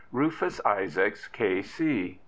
*55 RUFUS ISAACS, K.q.